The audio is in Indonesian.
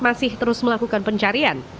masih terus melakukan pencarian